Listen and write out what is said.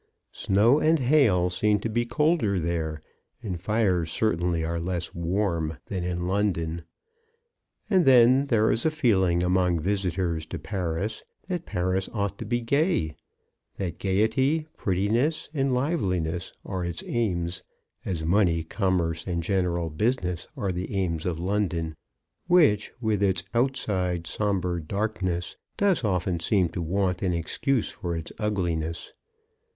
Snow and hail seem to be colder there, and fires certainly are less warm, than in London. And then there is a feeling among visitors to Paris that Paris ought to be gay ; that gayety, prettiness, and liveliness are its aims, as money, commerce, and general busi ness are the aims of London, which, with its 2 CHRISTMAS AT THOMPSON HALL. outside sombre darkness, does often seem to want an excuse for its ugliness.